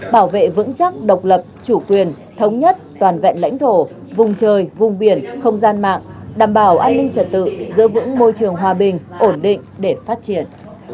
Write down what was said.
bảo vệ vững chắc độc lập chủ quyền thống nhất toàn vẹn lãnh thổ vùng trời vùng biển không gian mạng đảm bảo an ninh trật tự giữ vững môi trường hòa bình ổn định để phát triển